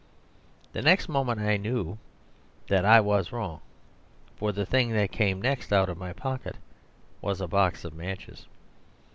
The next moment I knew that I was wrong; for the thing that came next out of my pocket was a box of matches.